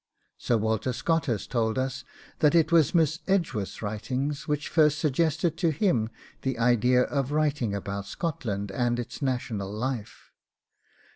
Sir Walter Scott has told us that it was Miss Edgeworth's writing which first suggested to him the idea of writing about Scotland and its national life.